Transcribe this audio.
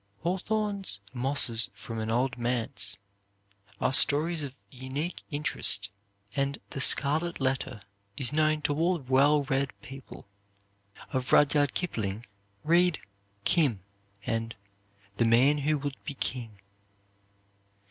Hawthorne's "Mosses from an Old Manse" are stories of unique interest, and "The Scarlet Letter" is known to all well read people. Of Rudyard Kipling, read "Kim," and "The Man Who Would be King."